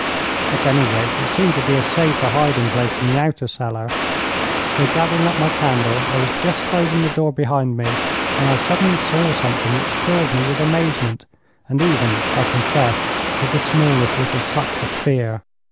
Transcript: At any rate, it seemed to be a safer hiding place than the outer cellar, so gathering up my candle, I was just closing the door behind me, when I suddenly saw something which filled me with amazement, and even, I confess, with the smallest little touch of fear.